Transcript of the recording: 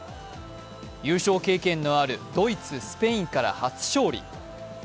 優勝経験のあるドイツ、スペインから初勝利。